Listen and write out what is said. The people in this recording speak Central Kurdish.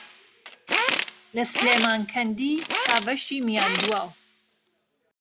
له سلێمانکهندی تا بهشی میاندواو